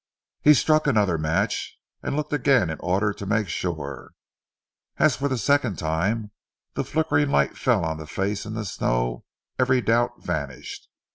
He struck another match and looked again in order to make sure. As for the second time the flickering light fell on the face in the snow, every doubt vanished.